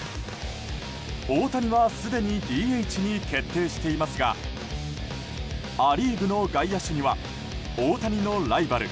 大谷はすでにＤＨに決定していますがア・リーグの外野手には大谷のライバル